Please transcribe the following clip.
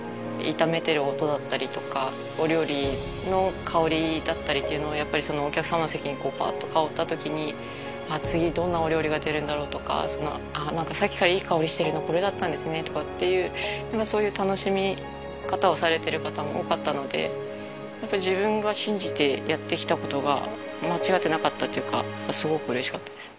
炒めてる音だったりとかお料理の香りだったりっていうのをやっぱりそのお客様の席にバーッと香った時に「次どんなお料理が出るんだろう」とか「さっきからいい香りしてるのこれだったんですね」とかっていう何かそういう楽しみ方をされてる方も多かったのでやっぱり自分が信じてやってきたことが間違ってなかったっていうかすごく嬉しかったですね